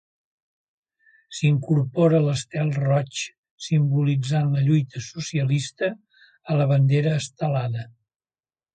S'incorpora l'estel roig simbolitzant la lluita socialista a la bandera Estelada.